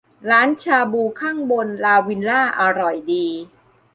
ร้านชาบูข้างบนลาวิลล่าอร่อยดี